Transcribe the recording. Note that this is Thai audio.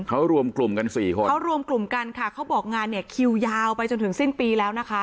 เขารวมกลุ่มกันสี่คนเขารวมกลุ่มกันค่ะเขาบอกงานเนี่ยคิวยาวไปจนถึงสิ้นปีแล้วนะคะ